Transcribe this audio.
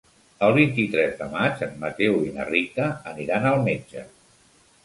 El vint-i-tres de maig en Mateu i na Rita aniran al metge.